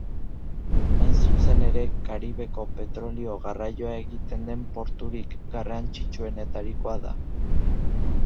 Hain zuzen ere, Karibeko petrolio-garraioa egiten den porturik garrantzitsuenetarikoa da.